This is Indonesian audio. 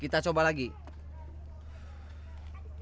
kita coba dan dmenya